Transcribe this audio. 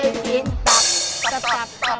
เดี๋ยวพี่มาไปกินตับ